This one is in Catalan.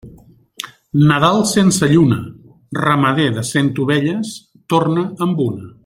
Nadal sense lluna, ramader de cent ovelles torna amb una.